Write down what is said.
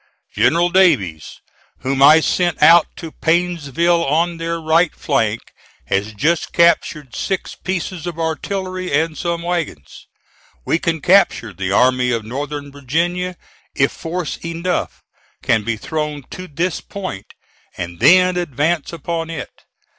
General Davies, whom I sent out to Painesville on their right flank, has just captured six pieces of artillery and some wagons. We can capture the Army of Northern Virginia if force enough can be thrown to this point, and then advance upon it.